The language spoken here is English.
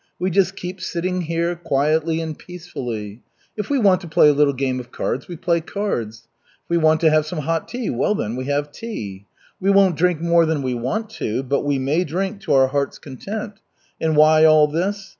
We just keep sitting here, quietly and peacefully. If we want to play a little game of cards, we play cards; if we want to have some hot tea, well, then we have tea. We won't drink more than we want to, but we may drink to our heart's content. And why all this?